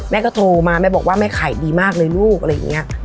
แม่ก็โทรมาแม่บอกว่าแม่ขายดีมากเลยลูกอะไรอย่างนี้